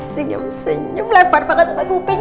senyum senyum lebar banget sama kuping